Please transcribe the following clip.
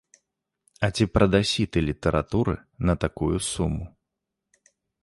А ці прадасі ты літаратуры на такую суму?